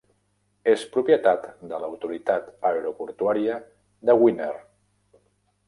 És propietat de l'autoritat aeroportuària de Gwinner.